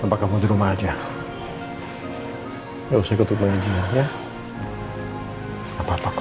apa kamu di rumah aja ya usah ikut main jenayah apa apa kok